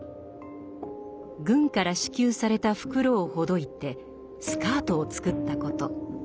軍から支給された袋をほどいてスカートを作ったこと。